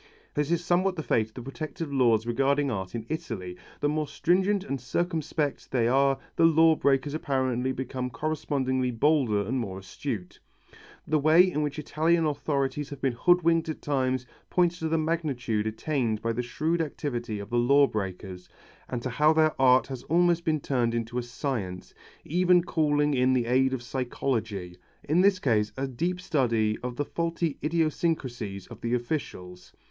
This is somewhat the fate of the protective laws regarding art in Italy, the more stringent and circumspect they are the law breaker apparently becomes correspondingly bolder and more astute. The way in which Italian authorities have been hoodwinked at times, points to the magnitude attained by the shrewd activity of the law breakers, and to how their art has almost been turned into a science, even calling in the aid of psychology in this case a deep study of the faulty idiosyncrasies of the officials.